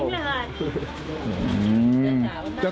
เห็นสาว